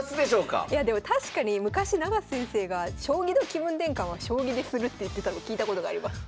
いやでも確かに昔永瀬先生が「将棋の気分転換は将棋でする」って言ってたの聞いたことがあります。